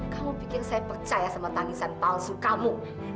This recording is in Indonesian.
kamu pikir saya percaya sama tangisan palsu kamu